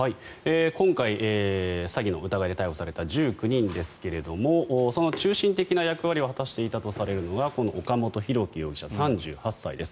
今回、詐欺の疑いで逮捕された１９人ですがその中心的な役割を果たしていたとされるのがこの岡本大樹容疑者３８歳です。